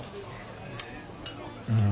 うん。